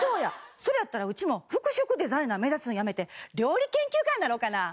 それやったらうちも服飾デザイナー目指すんやめて料理研究家になろうかな。